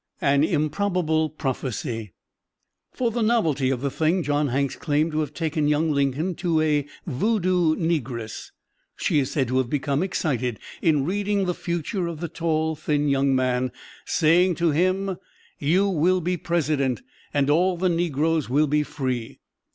AN IMPROBABLE PROPHECY For the novelty of the thing, John Hanks claimed to have taken young Lincoln to a "voodoo" negress. She is said to have become excited in reading the future of the tall, thin young man, saying to him, "You will be President, and all the negroes will be free."